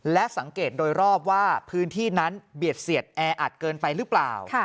และสังเกตโดยรอบว่าพื้นที่นั้นเบียดเสียดแออัดเกินไปหรือเปล่า